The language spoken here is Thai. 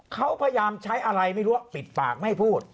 เขาพยายามใช้อะไรไม่รู้ว่าปิดปากไม่พูด